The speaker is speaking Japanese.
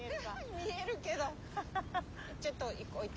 見えるけどちょっと置いて。